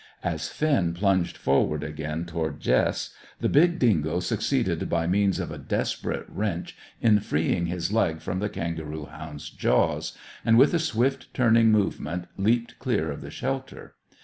As Finn plunged forward again toward Jess, the big dingo succeeded by means of a desperate wrench in freeing his leg from the kangaroo hound's jaws, and with a swift turning movement leaped clear of the shelter.